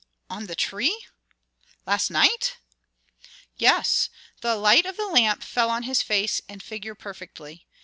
"On the tree? Last night?" "Yes. The light of the lamp fell on his face and figure perfectly.